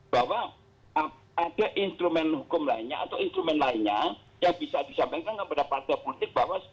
bahwa ada instrumen hukum lainnya atau instrumen lainnya yang bisa disampaikan kepada partai politik bahwa